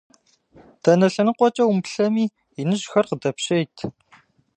Дэнэ лъэныкъуэкӏэ умыплъэми, иныжьхэр къыдэпщейт.